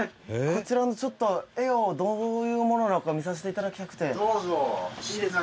こちらの絵をどういうものなのか見させて頂きたくて」